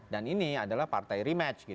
dan ini adalah partai rematch